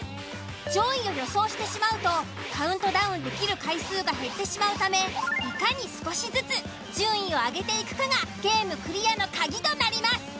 上位を予想してしまうとカウントダウンできる回数が減ってしまうためいかに少しずつ順位を上げていくかがゲームクリアの鍵となります。